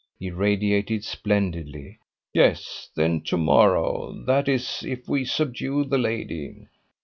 He radiated splendidly. "Yes, then, to morrow. That is, if we subdue the lady."